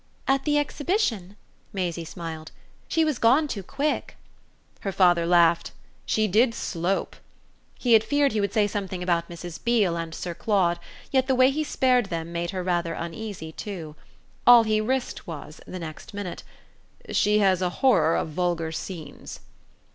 "At the Exhibition?" Maisie smiled. "She was gone too quick." Her father laughed. "She did slope!" She had feared he would say something about Mrs. Beale and Sir Claude, yet the way he spared them made her rather uneasy too. All he risked was, the next minute, "She has a horror of vulgar scenes."